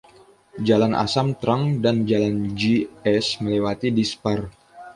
Jalan Assam Trunk dan jalan G S melewati Dispur.